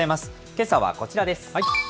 けさはこちらです。